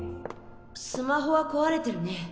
スマホは壊れてるね。